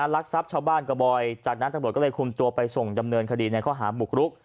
รักทรัพย์ชาวบ้านกระบอยจากนั้นตำรวจก็เลยคุมตัวไปส่งดำเนินคดีในข้อหาบุกรุก